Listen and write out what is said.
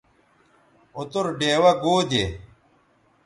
اوتر ڈیوہ گو دے